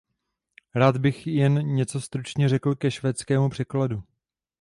Rád bych jen něco stručně řekl ke švédskému překladu.